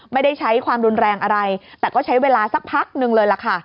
ไม่ได้ใช้ความรุนแรงอะไรแต่ก็ใช้เวลาสักพักนึงเลยล่ะค่ะ